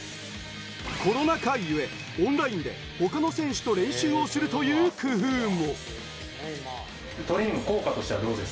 コロナ禍ゆえ、オンラインで他の選手と練習をするという工夫も。